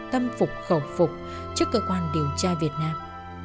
tâm phục khẩu phục trước cơ quan điều tra việt nam